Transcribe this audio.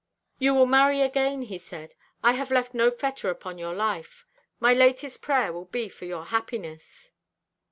'You will marry again,' he said. 'I have left no fetter upon your life. My latest prayer will be for your happiness.'"